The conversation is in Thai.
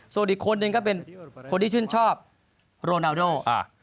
ส่วนอีกคนนึงก็เป็นคนที่ชื่นชอบโรนาโดอ่า